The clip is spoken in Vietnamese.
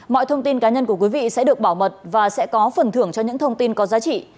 mọi thông tin cá nhân của quý vị sẽ được bảo mật và sẽ có phần thưởng cho những thông tin có giá trị